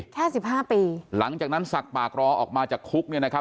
สิบห้าปีหลังจากนั้นสักปากรอออกมาจากคุกเนี่ยนะครับ